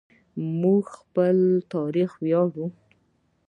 موږ په خپل تاریخ ویاړو.